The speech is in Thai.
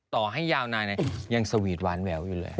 ต่อให้ยาวนานยังสวีทหวานแหววอยู่เลย